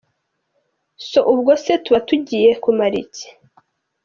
So ubwo se tuba tugiyeyo kumara iki?